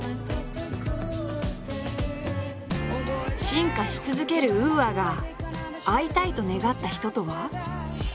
進化し続けるＵＡが会いたいと願った人とは。